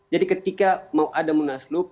jadi ketika mau ada munaslup